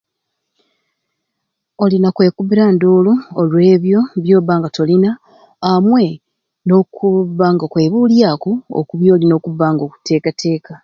Olina kwekubira ndulu olwebyo byobanga tolina amwei nokubba nga okwebulyaku okubyolina okubanga okutekateka.